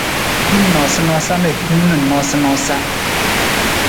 Hin noosanoosa na hiwung na noosanoosa.